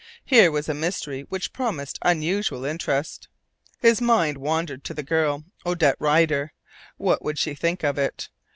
Here was a mystery which promised unusual interest. His mind wandered to the girl, Odette Rider. What would she think of it?